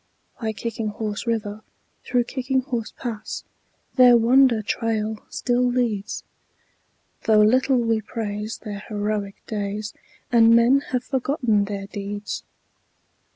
By Kicking Horse River, through Kicking Horse Pass, Their wonder trail still leads, Though little we praise their heroic days And men have forgotten their deeds.